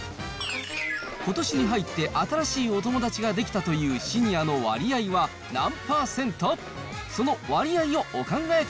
ことしに入って新しいお友達ができたというシニアの割合は何％？